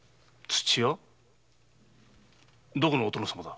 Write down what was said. どこのお殿様だ？